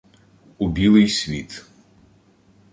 — У білий світ.